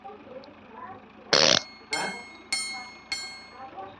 এসবের বেশিরভাগ ঘটে থাকে উন্নয়নশীল বিশ্বে।